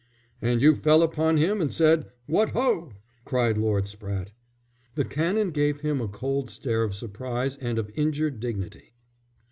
"And you fell upon him and said: 'What ho!'" cried Lord Spratte. The Canon gave him a cold stare of surprise and of injured dignity.